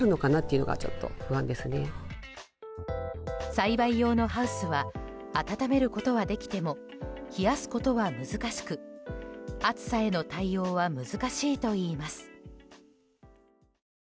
栽培用のハウスは暖めることはできても冷やすことは難しく暑さへの対応は難しいといいます。